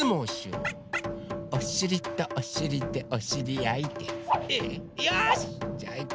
「おしりとおしりでおしりあい」